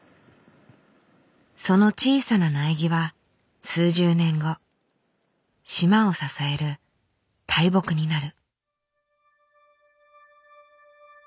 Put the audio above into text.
その小さな苗木は数十年後島を支える大木になる。